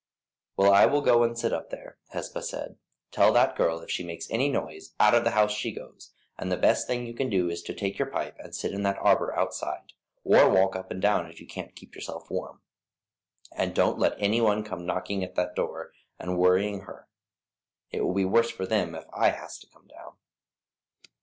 "Well, I will go and sit up there," Hesba said. "Tell that girl if she makes any noise, out of the house she goes; and the best thing you can do is to take your pipe and sit in that arbour outside, or walk up and down if you can't keep yourself warm; and don't let any one come knocking at the door and worriting her. It will be worse for them if I has to come down."